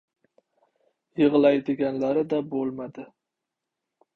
Yig‘laydiganlari-da bo‘lmadi.